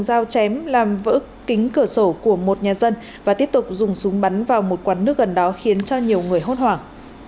dao chém làm vỡ kính cửa sổ của một nhà dân và tiếp tục dùng súng bắn vào một quán nước gần đó khiến cho nhiều người hốt hoảng